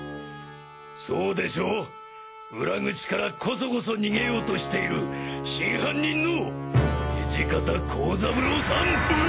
そうでしょ裏口からコソコソ逃げようとしている真犯人の土方幸三郎さん！